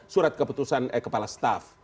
surat keputusan kepala staf